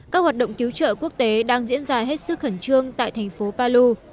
các hoạt động cứu trợ quốc tế đang diễn ra hết sức khẩn trương tại thành phố palu